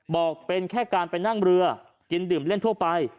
บอกเป็นแค่การไปนั่งเรือกินดื่มเล่นทั่วไป